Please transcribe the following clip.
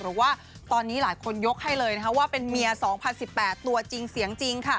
หรือว่าตอนนี้หลายคนยกให้เลยว่าเป็นเมีย๒๐๑๘ตัวจริงเสียงจริง